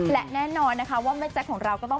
เราอยากเห็นมากเลย